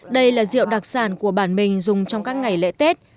đây là rượu đặc sản của bản mình dùng trong các ngày lễ tết